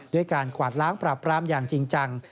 ด้วยการกวาดล้างปราบปรามอย่างจริงจัง